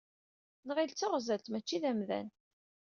Nɣil d taɣzalt mačči d amdan.